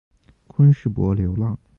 昆士柏流浪